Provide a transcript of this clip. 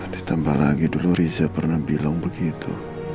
ditambah lagi dulu riza pernah bilang begitu